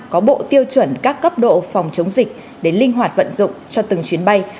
có bộ tiêu chuẩn các cấp độ phòng chống dịch để linh hoạt vận dụng cho từng chuyến bay